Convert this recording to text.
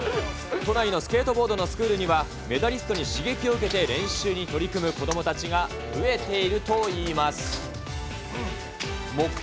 都内のスケートボードのスクールには、メダリストに刺激を受けて、練習に取り組む子どもたちが増えているといいます。